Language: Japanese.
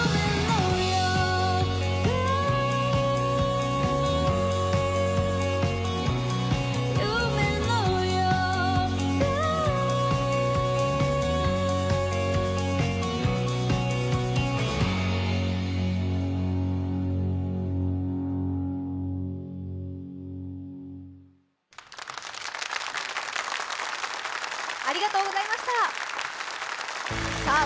ありがとうございましたさあ